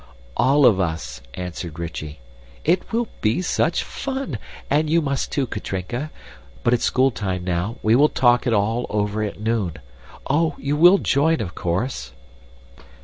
"All of us," answered Rychie. "It will be such fun! And you must, too, Katrinka. But it's schooltime now, we will talk it all over at noon. Oh! you will join, of course."